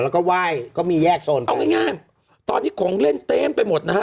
แล้วก็ไหว้ก็มีแยกสนเอาง่ายง่ายตอนนี้ของเล่นเต็มไปหมดนะฮะ